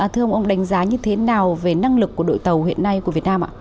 thưa ông ông đánh giá như thế nào về năng lực của đội tàu hiện nay của việt nam ạ